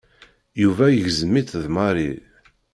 Yuba igzem-itt d Mary.